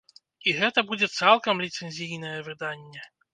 І гэта будзе цалкам ліцэнзійнае выданне!